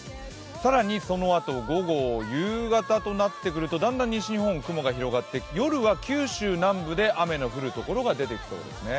更にそのあと午後、夕方となってくるとだんだん西日本、雲が広がって夜は九州南部で雨が降る所が出てきそうですね。